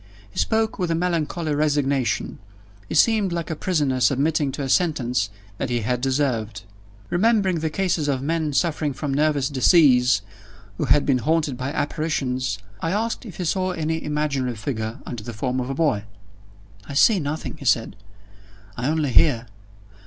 He spoke with a melancholy resignation he seemed like a prisoner submitting to a sentence that he had deserved. Remembering the cases of men suffering from nervous disease who had been haunted by apparitions, I asked if he saw any imaginary figure under the form of a boy. "I see nothing," he said; "I only hear.